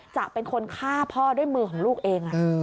จะเป็นคนฆ่าพ่อด้วยมือของลูกเอง